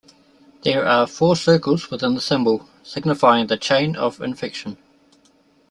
There are four circles within the symbol, signifying the chain of infection.